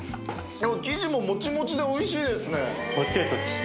生地ももちもちでおいしいですね。